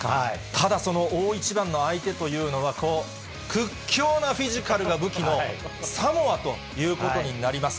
ただ、その大一番の相手というのは、こう、屈強なフィジカルが武器のサモアということになります。